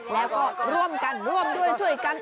แล้วก็ร่วมกันร่วมด้วยช่วยกัน